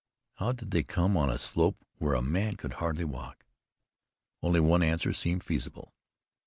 How did they come on a slope where a man could hardly walk? Only one answer seemed feasible.